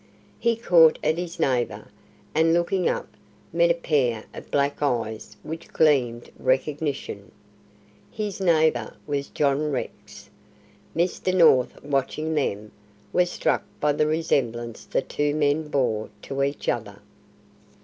He caught at his neighbour, and looking up, met a pair of black eyes which gleamed recognition. His neighbour was John Rex. Mr. North, watching them, was struck by the resemblance the two men bore to each other.